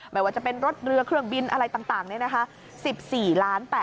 ไม่ว่าจะเป็นรถเรือเครื่องบินอะไรต่างนี่นะคะ